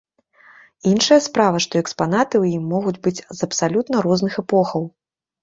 Іншая справа, што экспанаты ў ім могуць быць з абсалютна розных эпохаў.